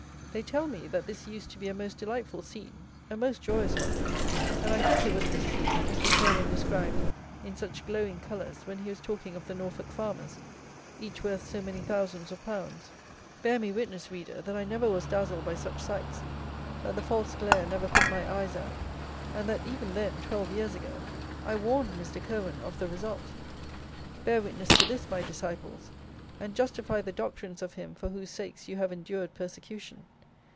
They tell me, that this used to be a most delightful scene; a most joyous one; and, I think, it was this scene that Mr. CURWEN described in such glowing colours when he was talking of the Norfolk farmers, each worth so many thousands of pounds. Bear me witness, reader, that I never was dazzled by such sights; that the false glare never put my eyes out; and that, even then, twelve years ago, I warned Mr. CURWEN of the result! Bear witness to this, my Disciples, and justify the doctrines of him for whose sakes you have endured persecution.